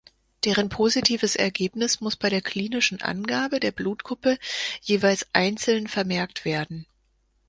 Deren positives Ergebnis muss bei der klinischen Angabe der Blutgruppe jeweils einzeln vermerkt werden.